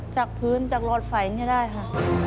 จากพื้นจากรอดไฟนี่ได้ค่ะ